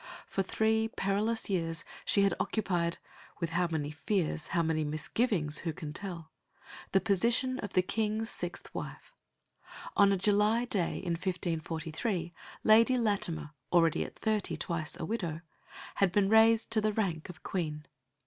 For three perilous years she had occupied with how many fears, how many misgivings, who can tell? the position of the King's sixth wife. On a July day in 1543 Lady Latimer, already at thirty twice a widow, had been raised to the rank of Queen.